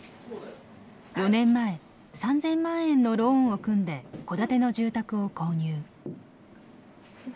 ４年前３，０００万円のローンを組んで戸建ての住宅を購入。